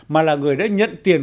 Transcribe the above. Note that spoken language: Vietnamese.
mà là người đã nhận tiền